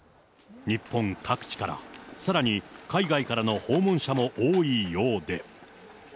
日本各地から、さらに海外からの訪問者も多いようで。